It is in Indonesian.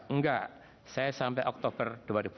enggak saya sampai oktober dua ribu tujuh belas